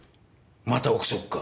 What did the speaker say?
また憶測か。